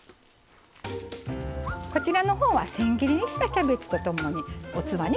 こちらのほうはせん切りにしたキャベツとともに器に盛っています。